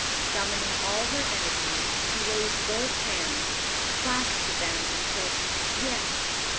Summoning all her energies, she raised both hands, clasped them, and said, "Yes."